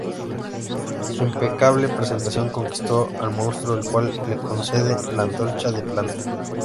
Su impecable presentación conquistó al Monstruo, el cual le concede la antorcha de plata.